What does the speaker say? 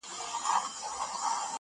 چي مرور نه یم _ چي در پُخلا سم تاته _